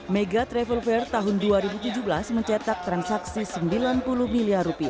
mega travel fair tahun dua ribu tujuh belas mencetak transaksi rp sembilan puluh miliar